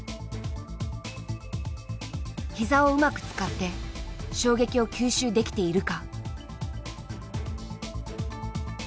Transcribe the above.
膝をうまく使って衝撃を吸収できているか。